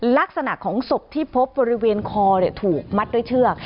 ลักษณะของศพที่พบบริเวณคอถูกมัดด้วยเชือก